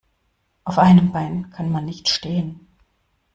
Auf einem Bein kann man nicht stehen.